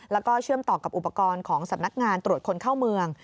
แล้วก็เชื่อมต่อกับอุปกรณ์ของสำนักงานตรวจคนเข้าเมือง